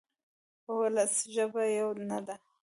وولسي ژبه یوه نه ده.